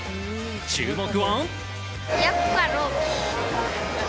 注目は。